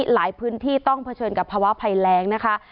หลายพื้นที่ต้องเผชิญกับภาวะภัยแรงนะคะ